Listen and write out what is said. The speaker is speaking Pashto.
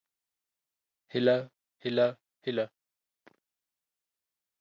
هيله هيله هيله